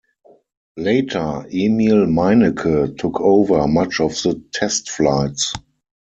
Later, Emil Meinecke took over much of the test flights.